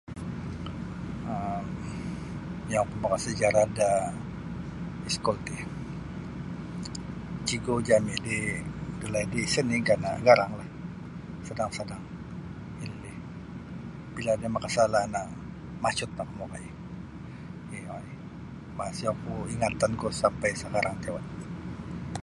um yang oku makasejarah da iskul ti cigu' jami' ri dalaid ri isa' nini' gana' garanglah sadang-sadang ililih bila ada makasala' no macut no kamu okoi ih oo' ih masih oku ingatanku sampai sakarang ti awat.